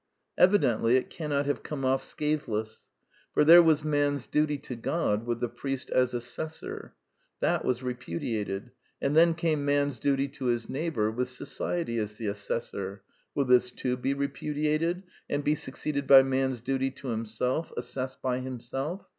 Evidently it cannot have come oS scathe less. First there was man's duty to God, with the priest as assessor. That was repudiated ; and then came Man's duty to his neighbor, with So ciety as the assessor. Will this too be repudiated, and be succeeded by Man's duty to himself, as sessed by himself?